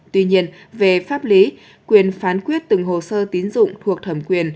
tuy nhiên về pháp lý quyền phán quyết từng hồ sơ tín dụng thuộc thẩm quyền